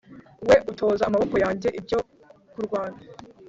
we utoza amaboko yanjye ibyo kurwana